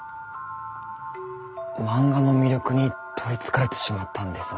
漫画の魅力に取りつかれてしまったんですね。